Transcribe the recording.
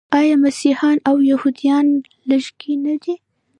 آیا مسیحیان او یهودان لږکي نه دي؟